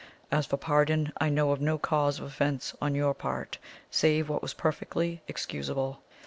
As for pardon, I know of no cause of offence on your part save what was perfectly excusable.